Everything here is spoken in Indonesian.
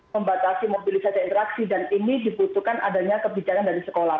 membatasi mobilisasi interaksi dan ini dibutuhkan adanya kebijakan dari sekolah